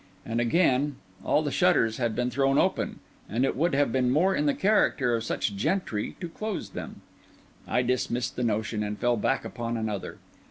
And, again, all the shutters had been thrown open, and it would have been more in the character of such gentry to close them. I dismissed the notion, and fell back upon another.